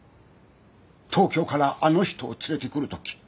東京からあの人を連れて来るとき